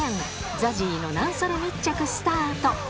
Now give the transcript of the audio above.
ＺＡＺＹのなんそれ密着スタート